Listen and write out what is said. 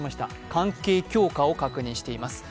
関係強化を確認しています。